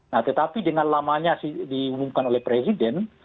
nah tetapi dengan lamanya diumumkan oleh presiden